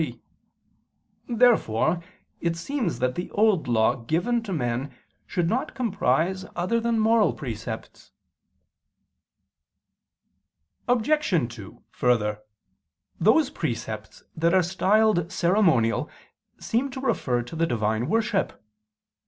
3). Therefore it seems that the Old Law given to men should not comprise other than moral precepts. Obj. 2: Further, those precepts that are styled ceremonial seem to refer to the Divine worship.